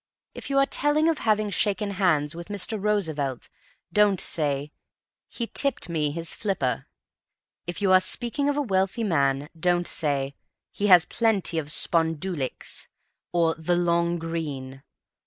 If you are telling of having shaken hands with Mr. Roosevelt don't say "He tipped me his flipper." If you are speaking of a wealthy man don't say "He has plenty of spondulix," or "the long green."